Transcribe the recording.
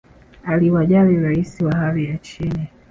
aliwajali rais wa hali ya chini